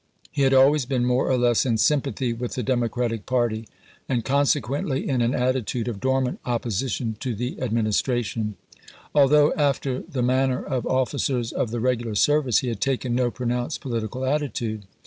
He had always been more or less in sympathy with the Democratic party, and consequently in an attitude of dormant opposition to the Administration ; although, after the manner of officers of the regular service, he had taken no pronounced political atti tude.